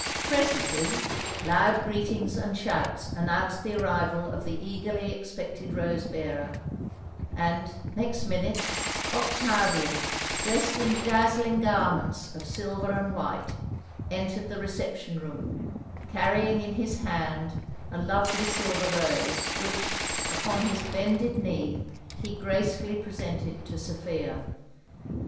Presently, loud greetings and shouts announced the arrival of the eagerly expected rose bearer; and, next minute, Octavian, dressed in dazzling garments of silver and white, entered the reception room, carrying in his hand a lovely silver rose, which, upon his bended knee, he gracefully presented to Sophia.